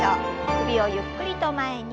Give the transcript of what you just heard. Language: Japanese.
首をゆっくりと前に。